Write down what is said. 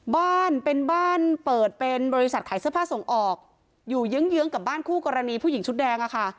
บ้านเป็นบ้านเปิดเป็นบริษัทขายเสื้อผ้าส่งออกอยู่เยื้องเยื้องกับบ้านคู่กรณีผู้หญิงชุดแดงอะค่ะ